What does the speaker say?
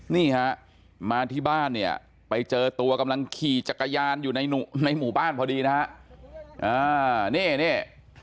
นี่ฮะมาที่บ้านเนี่ยไปเจอตัวกำลังขี่จักรยานอยู่ในหมู่บ้านพอดีนะฮะ